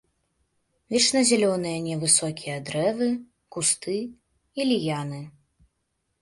Вечназялёныя невысокія дрэвы, кусты і ліяны.